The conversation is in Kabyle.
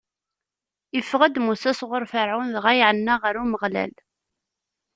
Iffeɣ-d Musa sɣur Ferɛun, dɣa iɛenna ɣer Umeɣlal.